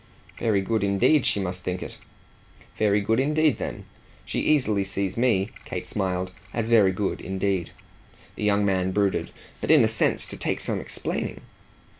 "Very good indeed she must think it!" "Very good indeed then. She easily sees me," Kate smiled, "as very good indeed." The young man brooded. "But in a sense to take some explaining."